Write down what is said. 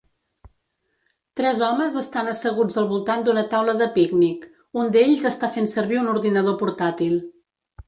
Tres homes estan asseguts al voltant d'una taula de pícnic, un d'ells està fent servir un ordinador portàtil.